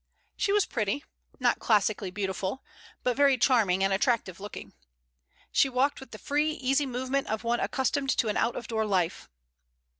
She was pretty, not classically beautiful, but very charming and attractive looking. She walked with the free, easy movement of one accustomed to an out of door life.